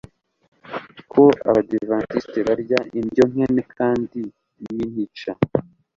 ko Abadiventisti barya indyo nkene kandi yintica